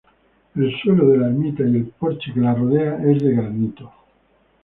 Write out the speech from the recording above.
El suelo de la ermita y el porche que la rodea es de granito.